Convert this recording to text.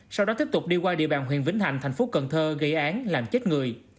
sau đó tiếp tục đi qua địa bàn huyện vĩnh thành thành phố cần thơ gây án làm chết người